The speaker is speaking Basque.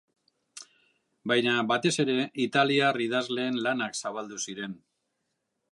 Baina, batez ere, italiar idazleen lanak zabaldu ziren.